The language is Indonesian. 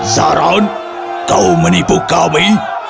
zaran kau menipu kami